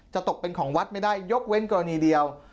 ตกเป็นของวัดไม่ได้ยกเว้นกรณีเดียว